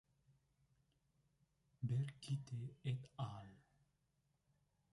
Ver Kite "et al.